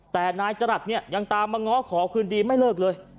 แต่นายจรัสเนี่ยยังตามมาง้อขอคืนดีไม่เลิกเลย